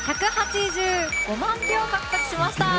１８５万票を獲得しました。